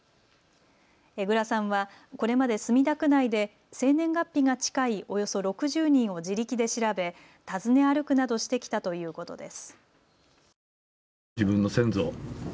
江藏さんは、これまで墨田区内で生年月日が近いおよそ６０人を自力で調べ、訪ね歩くなどしてきたということです。